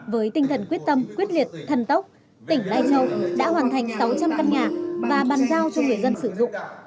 với tinh thần quyết tâm quyết liệt thân tốc tỉnh lai châu đã hoàn thành sáu trăm linh căn nhà và bàn giao cho người dân sử dụng